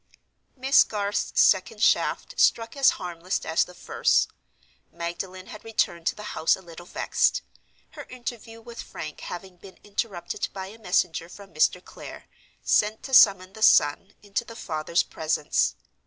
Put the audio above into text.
Miss Garth's second shaft struck as harmless as the first. Magdalen had returned to the house, a little vexed; her interview with Frank having been interrupted by a messenger from Mr. Clare, sent to summon the son into the father's presence.